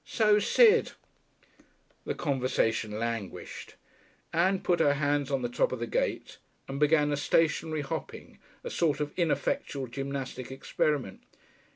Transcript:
"So's Sid." The conversation languished. Ann put her hands on the top of the gate, and began a stationary hopping, a sort of ineffectual gymnastic experiment.